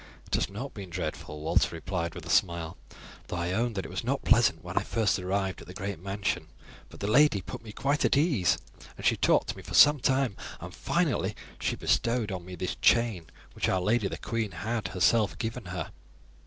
"It has not been dreadful," Walter replied with a smile, "though I own that it was not pleasant when I first arrived at the great mansion; but the lady put me quite at my ease, and she talked to me for some time, and finally she bestowed on me this chain, which our lady, the queen, had herself given her."